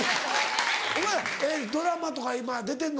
お前らドラマとか今出てんの？